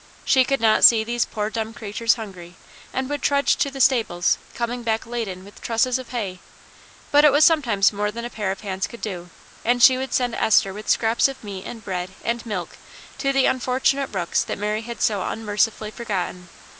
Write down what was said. She could not see these poor dumb creatures hungry, and would trudge to the stables, coming back laden with trusses of hay. But it was sometimes more than a pair of hands could do, and she would send Esther with scraps of meat and bread and milk to the unfortunate rooks that Mary had so unmercifully forgotten.